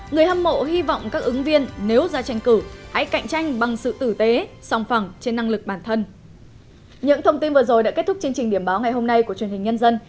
người hâm mộ hy vọng các ứng viên nếu ra tranh cử hãy cạnh tranh bằng sự tử tế sòng phẳng trên năng lực bản thân